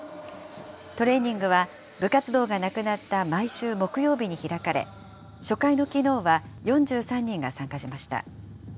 トレーニングは部活動がなくなった毎週木曜日に開かれ、初回のきのうは、４３人が参加しました。